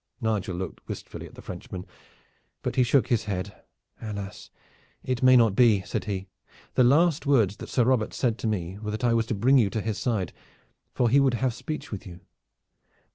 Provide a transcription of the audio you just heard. Nigel looked wistfully at the Frenchman; but he shook his head. "Alas! it may not be," said he. "The last words that Sir Robert said to me were that I was to bring you to his side, for he would have speech with you.